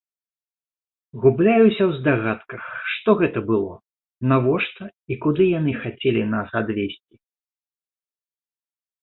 Губляюся ў здагадках, што гэта было, навошта і куды яны хацелі нас адвезці.